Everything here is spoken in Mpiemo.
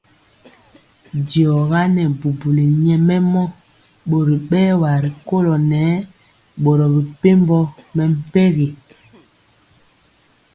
Diɔga nɛ bubuli nyɛmemɔ bori bɛwa rikolo nɛɛ boro mepempɔ mɛmpegi.